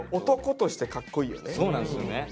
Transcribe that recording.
そうなんですよね。